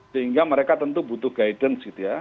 sehingga mereka tentu butuh guidance gitu ya